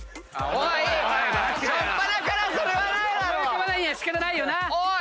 思い浮かばないのは仕方ないよな。